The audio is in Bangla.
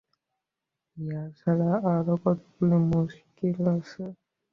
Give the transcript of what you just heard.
ইহা ছাড়া আরও কতকগুলি মুশকিল আছে।